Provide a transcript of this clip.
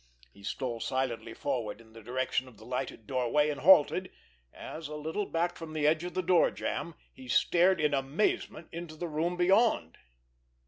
He stole silently forward in the direction of the lighted doorway and halted, as, a little back from the edge of the door jamb, he stared in amazement into the room beyond.